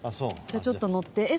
じゃあちょっと乗って。